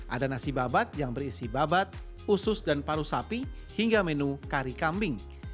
ada nasi babat yang berisi babat usus dan paru sapi hingga menu kari kambing